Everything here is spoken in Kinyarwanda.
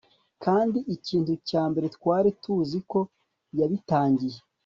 kandi ikintu cya mbere twari tuzi ko yabitangiye